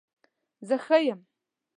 زه ښه یم